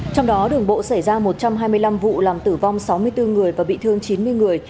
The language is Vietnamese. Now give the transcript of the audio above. trong đó đường bộ xảy ra một trăm hai mươi năm vụ làm tử vong sáu mươi bốn người và bị thương chín mươi người